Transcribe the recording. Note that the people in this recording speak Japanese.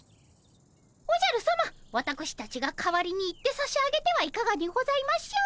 おじゃるさまわたくしたちが代わりに行ってさしあげてはいかがにございましょう。